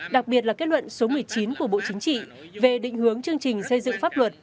đặc biệt là kết luận số một mươi chín của bộ chính trị về định hướng chương trình xây dựng pháp luật